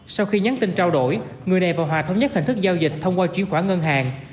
sau khi nhắn tin trao đổi người này và hòa thống nhất hình thức giao dịch thông qua chuyến khỏa ngân hàng